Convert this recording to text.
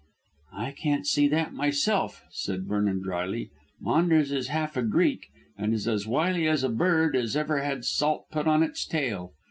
"I can't see that myself," said Vernon drily. "Maunders is half a Greek and is as wily a bird as ever had salt put on its tail.